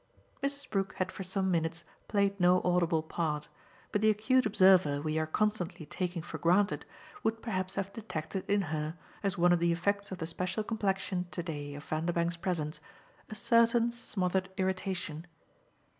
Mrs. Brook had for some minutes played no audible part, but the acute observer we are constantly taking for granted would perhaps have detected in her, as one of the effects of the special complexion to day of Vanderbank's presence, a certain smothered irritation.